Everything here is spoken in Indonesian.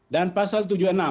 dan pasal tujuh puluh tiga